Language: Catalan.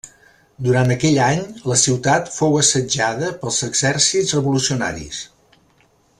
Durant aquell any la ciutat fou assetjada pels exèrcits revolucionaris.